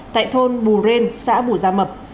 tại thôn bù rên xã bù gia mập